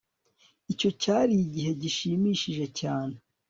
Icyo cyari igihe gishimishije cyane